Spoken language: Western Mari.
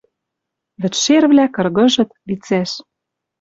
Вӹд шервлӓ кыргыжыт лицӓш...